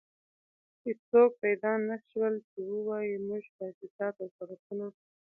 هېڅوک پيدا نه شول چې ووايي موږ تاسيسات او سړکونه.